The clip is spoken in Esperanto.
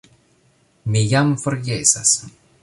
Mi jam forgesas!